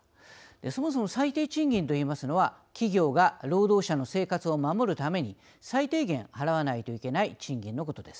そもそも最低賃金といいますのは企業が労働者の生活を守るために最低限払わないといけない賃金のことです。